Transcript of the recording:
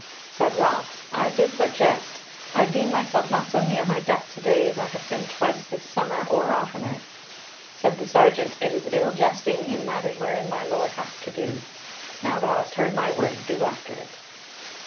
Said Ralph: "I did but jest; I deem myself not so near my death to day as I have been twice this summer or oftener." Said the sergeant, "It is ill jesting in matters wherein my Lord hath to do. Now thou hast heard my word: do after it."